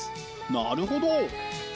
なるほど！